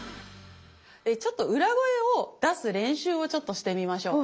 ちょっと裏声を出す練習をちょっとしてみましょうか。